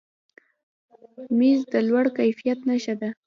مېز د لوړ کیفیت نښه ده.